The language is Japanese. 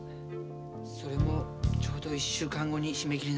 それもちょうど１週間後に締め切りなんです。